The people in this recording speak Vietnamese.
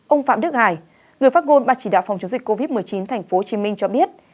ông phạm đức hải người phát ngôn bà chỉ đạo phòng chống dịch covid một mươi chín tp hcm cho biết